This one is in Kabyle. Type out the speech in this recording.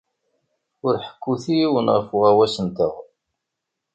Ur ḥekkut i yiwen ɣef uɣawas-nteɣ.